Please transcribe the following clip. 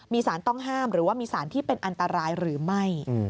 มีสารต้องห้ามหรือว่ามีสารที่เป็นอันตรายหรือไม่